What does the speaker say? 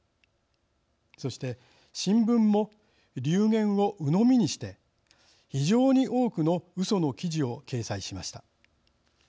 そして新聞も流言をうのみにして非常に多くのうその記事を掲載しました。